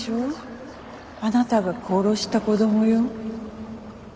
あなたが殺した子供よ。